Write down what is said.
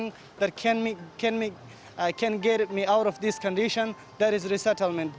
jadi hanya yang bisa membuat saya keluar dari kondisi ini adalah resettlement